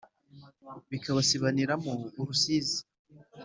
Bikabasibaniramo urusizi